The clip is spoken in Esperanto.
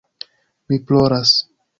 Mi ploras.